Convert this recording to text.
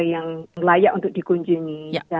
yang layak untuk dikunjungi